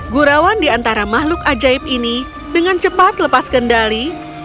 gurawan di antara makhluk ajaib ini dengan cepat lepas kendali